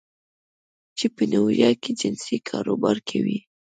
چې په نیویارک کې جنسي کاروبار کوي